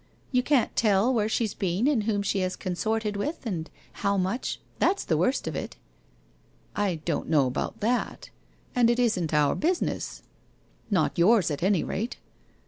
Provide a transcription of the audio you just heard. You can't tell where she's been and whom she has consorted with, and how much, that's the worst of it! '' I don't know about that. And it isn't our business— 15 226 WHITE ROSE OF WEARY LEAF not yours at any rate.